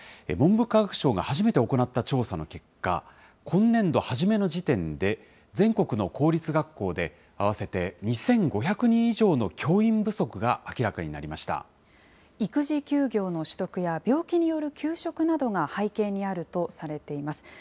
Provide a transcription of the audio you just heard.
文部科学省が初めて行った調査の結果、今年度初めの時点で、全国の公立学校で合わせて２５００人以上の教員不足が明らかになりま育児休業の取得や、病気による休職などが背景にあるとされています。